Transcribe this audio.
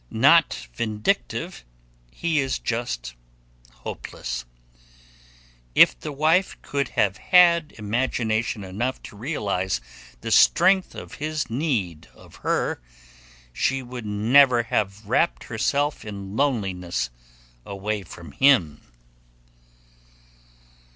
Not vindictive, he is just hopeless. If the wife could have had imagination enough to realize the strength of his need of her, she would never have wrapped herself in loneliness away from him.